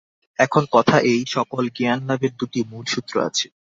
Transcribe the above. এখন কথা এই, সকল জ্ঞান-লাভের দুইটি মূলসূত্র আছে।